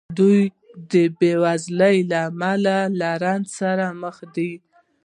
دوی د بېوزلۍ له امله له رنځ سره مخ دي.